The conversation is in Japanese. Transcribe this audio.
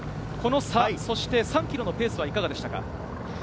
菅谷さん、この３ｋｍのペースはいかがでしたか？